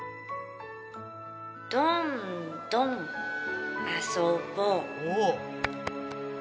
どんどんあそぼ。